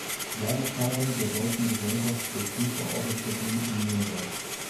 Jahrestagung der Deutschen Gesellschaft für Kieferorthopädie in Nürnberg.